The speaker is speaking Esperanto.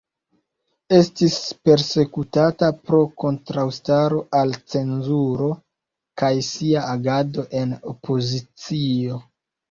Estis persekutata pro kontraŭstaro al cenzuro kaj sia agado en opozicio.